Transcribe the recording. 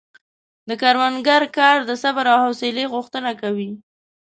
د کروندګر کار د صبر او حوصلې غوښتنه کوي.